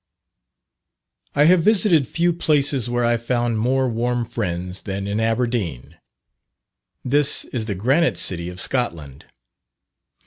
_ I have visited few places where I found more warm friends than in Aberdeen. This is the Granite City of Scotland.